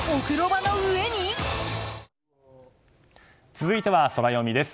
続いてはソラよみです。